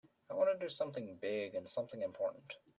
I want to do something big and something important.